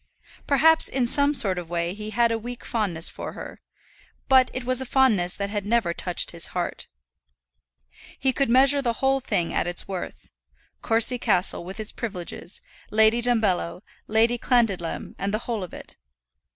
Perhaps in some sort of way he had a weak fondness for her; but it was a fondness that had never touched his heart. He could measure the whole thing at its worth, Courcy Castle with its privileges, Lady Dumbello, Lady Clandidlem, and the whole of it.